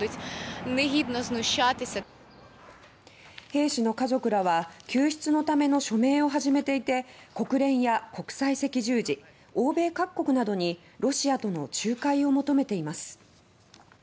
兵士の家族らは救出のための署名を始めていて国連や国際赤十字欧米各国などにロシアとの仲介を求めています。